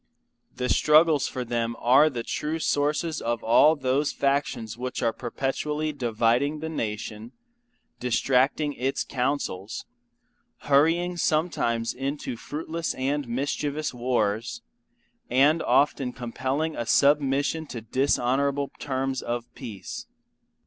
The struggles for them are the true sources of all those factions which are perpetually dividing the Nation, distracting its Councils, hurrying sometimes into fruitless & mischievous wars, and often compelling a submission to dishonorable terms of peace.